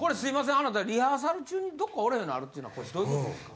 あなたリハーサル中にどっかおれへんようになるっていうのはこれどういうことですか？